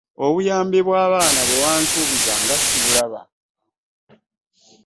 Obuyambi bw'abaana bwe wansuubiza nga ssibulaba!